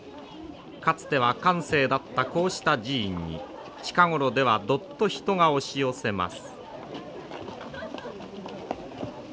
かつては閑静だったこうした寺院に近頃ではどっと人が押し寄せます。